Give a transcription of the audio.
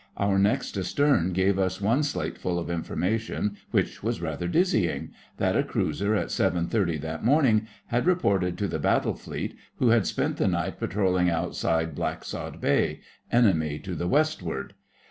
Our next astern gave us one slateful of information which was rather dizzying. That a cruiser at 7:30 that morning had reported to the Battle Fleet, who had spent the night patrolling outside Blacksod Bay, 'Enemy to the Westward.